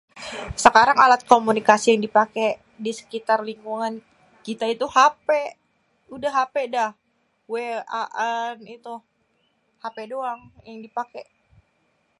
sekarang alat kumunikasi yang dipaké disekitar lingkungan kita itu hapé, udah hapé dah WA'an étoh hapé doang yang dipaké.